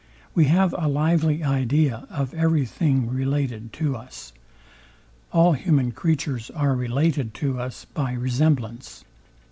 We have a lively idea of every thing related to us. All human creatures are related to us by resemblance.